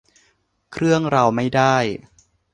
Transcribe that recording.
เครื่องเราไม่ได้